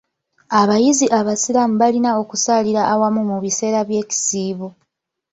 Abayizi abasiraamu balina okusaalira awamu mu biseera by'ekisiibo.